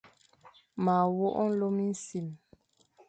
Ma wok nlô minsim.